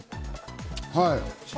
はい。